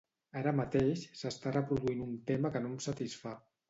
Ara mateix s'està reproduint un tema que no em satisfà.